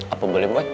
apa boleh buat